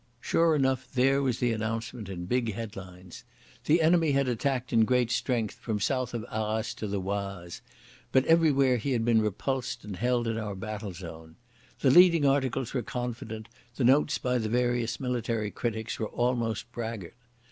Sure enough there was the announcement in big headlines. The enemy had attacked in great strength from south of Arras to the Oise; but everywhere he had been repulsed and held in our battle zone. The leading articles were confident, the notes by the various military critics were almost braggart.